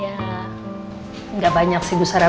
ya nggak banyak sih bu sarapan